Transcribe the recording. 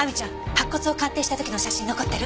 白骨を鑑定した時の写真残ってる？